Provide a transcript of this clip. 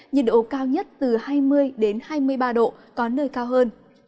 nhiệt độ cao nhất từ hai mươi hai mươi ba độ có nơi cao hơn